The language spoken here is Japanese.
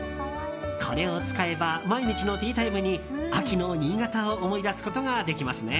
これを使えば毎日のティータイムに秋の新潟を思い出すことができますね。